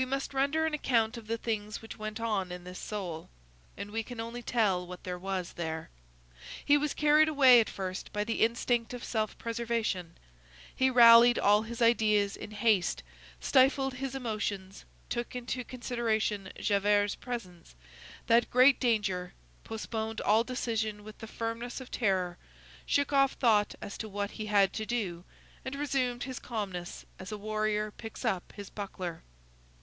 We must render an account of the things which went on in this soul, and we can only tell what there was there. He was carried away, at first, by the instinct of self preservation; he rallied all his ideas in haste, stifled his emotions, took into consideration Javert's presence, that great danger, postponed all decision with the firmness of terror, shook off thought as to what he had to do, and resumed his calmness as a warrior picks up his buckler.